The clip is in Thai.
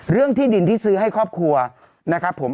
เรื่องที่ดินที่ซื้อให้ครอบครัวนะครับผม